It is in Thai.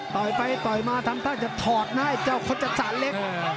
ไปต่อยมาทำท่าจะถอดนะไอ้เจ้าโฆษศาลเล็ก